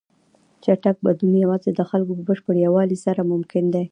چټک بدلون یوازې د خلکو په بشپړ یووالي سره ممکن دی.